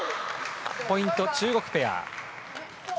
ポイント、中国ペア。